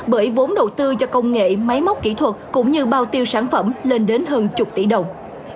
bởi vốn đầu tư cho công nghệ máy móc kỹ thuật cũng như bao tiêu sản phẩm lên đến hơn chục tỷ đồng